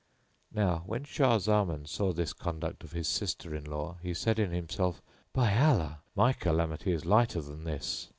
Now, when Shah Zaman saw this conduct of his sister in law he said in himself, "By Allah, my calamity is lighter than this!